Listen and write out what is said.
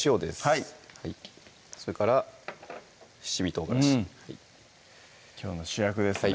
はいそれから七味唐辛子きょうの主役ですね